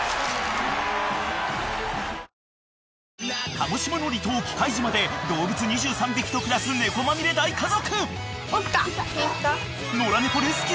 ［鹿児島の離島喜界島で動物２３匹と暮らす猫まみれ大家族］